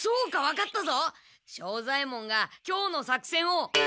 庄左ヱ門が今日のさくせんを。